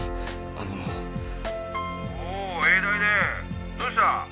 あの☎おお永大出どうした？